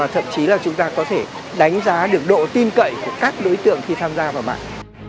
thậm chí là chúng ta có thể đánh giá được độ tin cậy của các đối tượng khi tham gia vào mạng